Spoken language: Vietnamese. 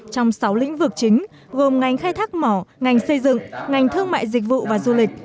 trong sáu lĩnh vực chính gồm ngành khai thác mỏ ngành xây dựng ngành thương mại dịch vụ và du lịch